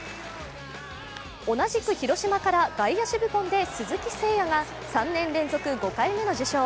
同じく広島から、外野手部門で鈴木誠也が３年連続５回目の受賞。